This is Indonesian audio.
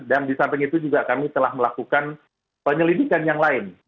dan di samping itu juga kami telah melakukan penyelidikan yang lain